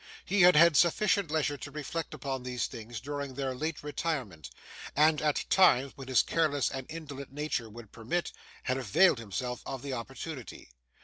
He had had sufficient leisure to reflect upon these things, during their late retirement; and, at times, when his careless and indolent nature would permit, had availed himself of the opportunity.